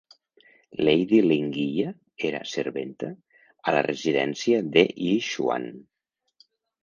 Lady Lingiya era serventa a la residència de Yixuan.